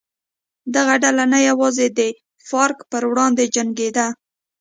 دغه ډله نه یوازې د فارک پر وړاندې جنګېده.